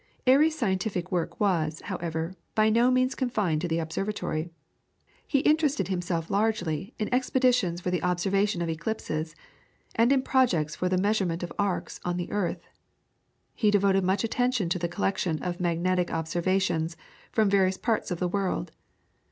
Airy's scientific work was, however, by no means confined to the observatory. He interested himself largely in expeditions for the observation of eclipses and in projects for the measurement of arcs on the earth. He devoted much attention to the collection of magnetic observations from various parts of the world.